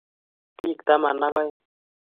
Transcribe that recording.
Pik taman ak aeng'.